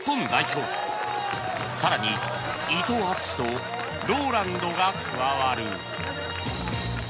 更に伊藤淳史と ＲＯＬＡＮＤ が加わる